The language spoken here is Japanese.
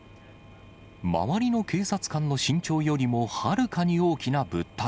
周りの警察官の身長よりもはるかに大きな物体。